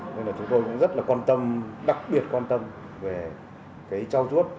nên là chúng tôi cũng rất là quan tâm đặc biệt quan tâm về cái trao chuốt